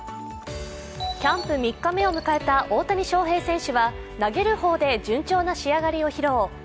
キャンプ３日目を迎えた大谷翔平選手は投げる方で順調な仕上がりを披露。